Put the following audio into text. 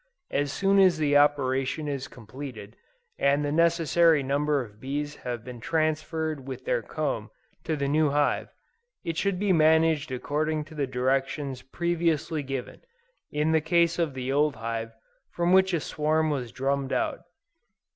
As soon as the operation is completed, and the necessary number of bees have been transferred with their comb to the new hive, it should be managed according to the directions previously given, in the case of the old hive from which a swarm was drummed out.